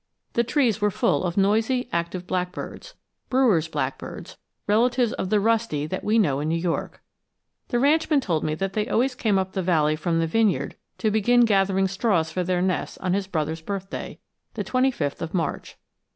The trees were full of noisy, active blackbirds Brewer's blackbirds, relatives of the rusty that we know in New York. The ranchman told me that they always came up the valley from the vineyard to begin gathering straws for their nests on his brother's birthday, the twenty fifth of March.